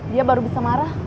dia baru bisa marah